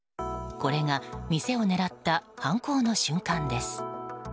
これが店を狙った犯行の瞬間です。